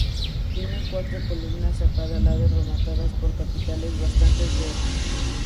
Tiene cuatro columnas a cada lado rematadas por capiteles bastante deteriorados.